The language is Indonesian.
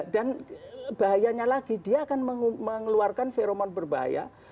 dan bahayanya lagi dia akan mengeluarkan veromon berbahaya